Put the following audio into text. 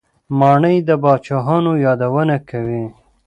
ماڼۍ د پاچاهانو یادونه کوي.